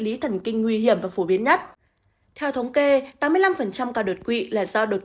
lý thần kinh nguy hiểm và phổ biến nhất theo thống kê tám mươi năm cả đợt quỵ là do đột